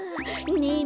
ねえ